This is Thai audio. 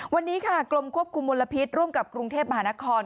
วันนี้ค่ะกรมควบคุมมลพิษร่วมกับกรุงเทพมหานคร